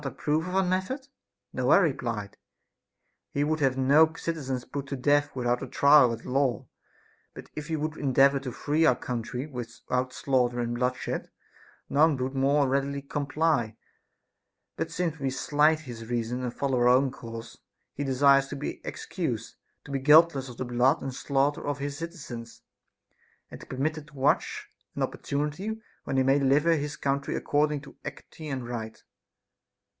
ap prove of our method % No, I replied, he would have no citizens put to death without a trial at law ; but if we would endeavor to free our country without slaughter and bloodshed, none would more readily comply ; but since we slight his reasons and follow our own course, he desires to be excused, to be guiltless of the blood and slaughter of his citizens, and to be permitted to watch an opportunity when he may deliver his country according to equity and right.